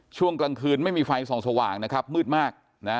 ช่วงกลางคืนไม่มีไฟส่องสว่างนะครับมืดมากนะ